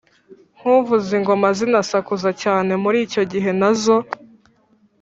nk’uvuza ingoma zinasakuza cyane. Muri icyo gihe na zo